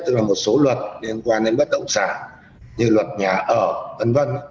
tức là một số luật liên quan đến bất động sản như luật nhà ở v v